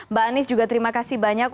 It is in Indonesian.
mbak anies juga terima kasih banyak